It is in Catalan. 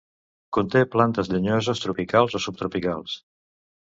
Conté plantes llenyoses tropicals o subtropicals.